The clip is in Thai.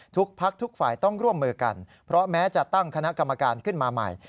ทุกพักทุกฝ่ายต้องร่วมมือกันเพราะแม้จะตั้งคณะกรรมการขึ้นมาใหม่